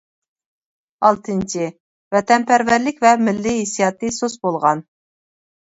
ئالتىنچى، ۋەتەنپەرۋەرلىك ۋە مىللىي ھېسسىياتى سۇس بولغان.